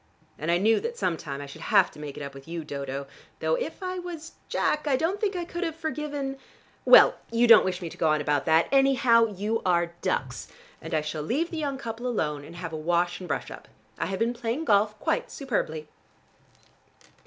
And I knew that some time I should have to make it up with you, Dodo, though if I was Jack I don't think I could have forgiven well, you don't wish me to go on about that. Anyhow, you are ducks, and I shall leave the young couple alone, and have a wash and brush up. I have been playing golf quite superbly."